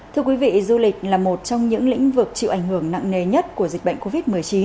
thưa quý vị du lịch là một trong những lĩnh vực chịu ảnh hưởng nặng nề nhất của dịch bệnh covid một mươi chín